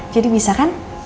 jadi bisa kan